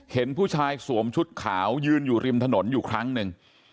เห็นผู้ชายสวมชุดขาวยืนอยู่ริมถนนอยู่ครั้งหนึ่ง